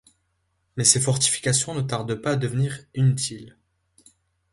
Mais ces fortifications ne tardent pas à devenir inutiles.